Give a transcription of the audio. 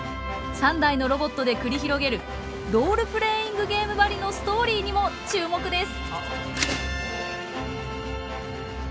３台のロボットで繰り広げるロールプレーイングゲームばりのストーリーにも注目です。